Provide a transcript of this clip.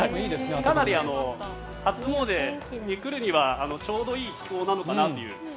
かなり初詣に来るにはちょうどいい気候なのかなと。